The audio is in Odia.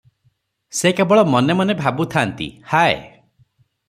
ସେ କେବଳ ମନେ ମନେ ଭାବୁଥାନ୍ତି "ହାୟ!